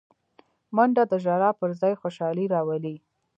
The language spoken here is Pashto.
منډه د ژړا پر ځای خوشالي راولي